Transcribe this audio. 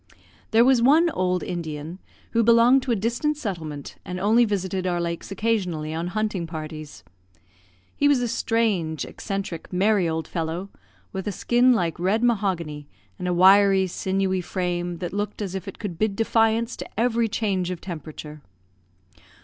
There was one old Indian, who belonged to a distant settlement, and only visited our lakes occasionally on hunting parties. He was a strange, eccentric, merry old fellow, with a skin like red mahogany, and a wiry, sinewy frame, that looked as if it could bid defiance to every change of temperature.